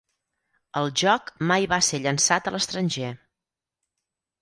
El joc mai va ser llançat a l'estranger.